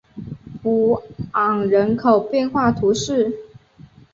普昂人口变化图示